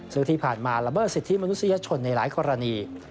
ซึ่งที่ผ่านมาละเมิดสิทธิมนุษยชนในหลายกรณี